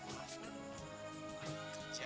lalu lagi berdua